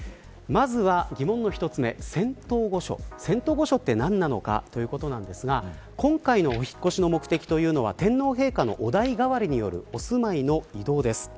まずは、疑問の１つ目、仙洞御所仙洞御所って何なのかということなんですが今回のお引っ越しの目的というのは天皇陛下のお代替わりによるお住まいの移動です。